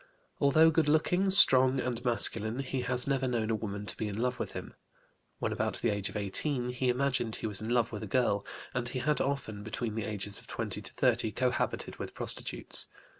Although good looking, strong, and masculine, he has never known a woman to be in love with him. When about the age of 18 he imagined he was in love with a girl; and he had often, between the ages of 20 to 30, cohabited with prostitutes.